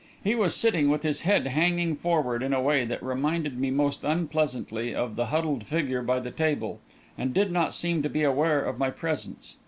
He was sitting with his head hanging forward in a way that reminded me most unpleasantly of the huddled figure by the table, and did not seem to be aware of my presence.